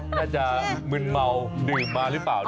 น่าจะมึ้นเมาท์ดื่มมั้ยรึเปล่า